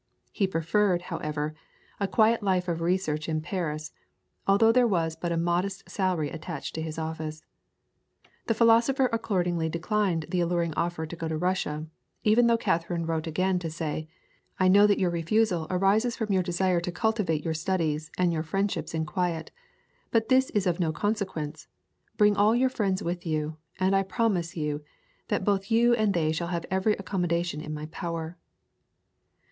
He preferred, however, a quiet life of research in Paris, although there was but a modest salary attached to his office. The philosopher accordingly declined the alluring offer to go to Russia, even though Catherine wrote again to say: "I know that your refusal arises from your desire to cultivate your studies and your friendships in quiet. But this is of no consequence: bring all your friends with you, and I promise you that both you and they shall have every accommodation in my power."